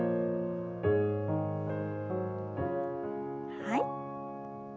はい。